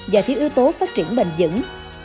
và thiếu ưu tố phát triển bền dững